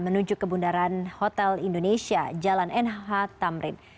menuju ke bundaran hotel indonesia jalan nh tamrin